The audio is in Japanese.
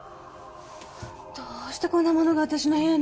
どうしてこんなものがあたしの部屋に。